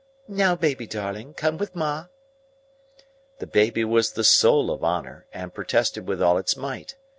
Now, baby darling, come with ma!" The baby was the soul of honour, and protested with all its might.